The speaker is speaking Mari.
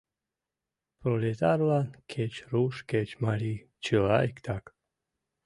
Пролетарлан кеч руш, кеч марий — чыла иктак.